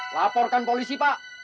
laporkan polisi pak